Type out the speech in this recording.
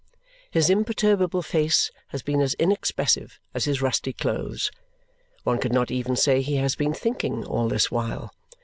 His imperturbable face has been as inexpressive as his rusty clothes. One could not even say he has been thinking all this while.